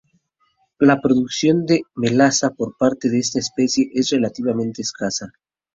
La producción de melaza por parte de esta especie es relativamente escasa.